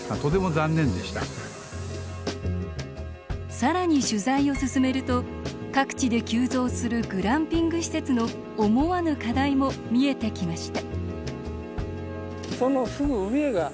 さらに取材を進めると各地で急増するグランピング施設の思わぬ課題も見えてきました。